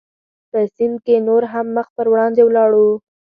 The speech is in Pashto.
په سیند کې نور هم مخ پر وړاندې ولاړو.